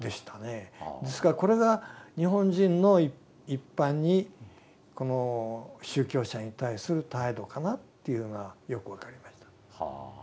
ですからこれが日本人の一般にこの宗教者に対する態度かなというのがよく分かりました。